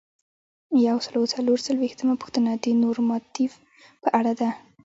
یو سل او څلور څلویښتمه پوښتنه د نورماتیف په اړه ده.